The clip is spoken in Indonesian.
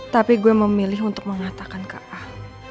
tapi gue memilih untuk mengatakan ke ah